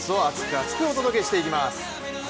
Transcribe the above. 厚く！お届けしていきます。